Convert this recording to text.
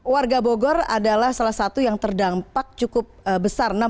warga bogor adalah salah satu yang terdampak cukup besar